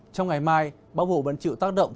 trong ngày mai bắc bộ vẫn chịu tác động